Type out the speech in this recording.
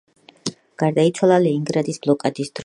გარდაიცვალა ლენინგრადის ბლოკადის დროს.